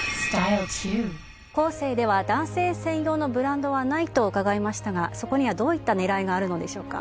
コーセーでは男性専用のブランドはないと伺いましたがそこにはどういった狙いがあるのでしょうか？